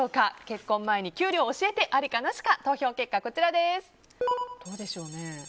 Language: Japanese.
結婚前に給料教えてありかなしか投票結果はこちらです。